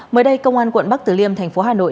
mới đây công an quận bắc tử liêm tp hà nội